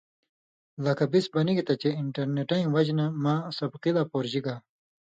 لکہ بِس بنِگ تھہ چے انٹرنیٹَیں وجہۡ نہ مہ سبقی لا پورژِگا۔